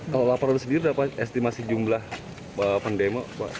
kalau laporan sendiri berapa estimasi jumlah pendemo